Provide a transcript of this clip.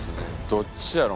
どっちやろ？